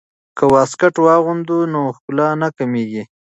که واسکټ واغوندو نو ښکلا نه کمیږي.